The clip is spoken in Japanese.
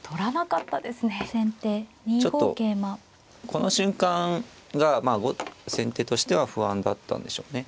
この瞬間が先手としては不安だったんでしょうね。